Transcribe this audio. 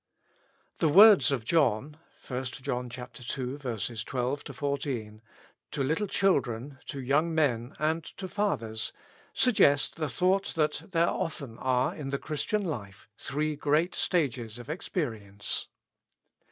THE words of John (i John ii. 12 14) to little chil dren, to young men, and to fathers, suggest the thought that there often are in the Christian life three great stages of experience.